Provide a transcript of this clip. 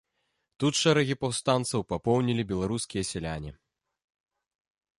Тут шэрагі паўстанцаў папоўнілі беларускія сяляне.